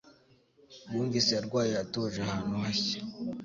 Yumvise arwaye atuje ahantu hashya.